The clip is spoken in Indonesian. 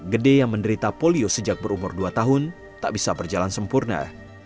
gede yang menderita polio sejak berumur dua tahun tak bisa berjalan sempurna